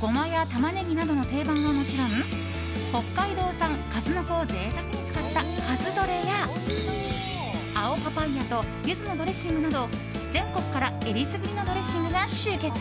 ゴマやタマネギなどの定番はもちろん北海道産数の子を贅沢に使ったかずドレや青パパイヤとゆずのドレッシングなど全国からえりすぐりのドレッシングが集結。